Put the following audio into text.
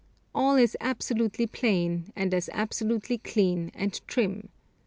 All is absolutely plain, and as absolutely clean and trim.